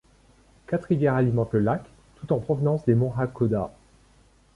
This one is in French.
Quatre rivières alimentent le lac, toutes en provenance des monts Hakkōda.